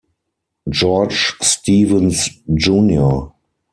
George Stevens Jr.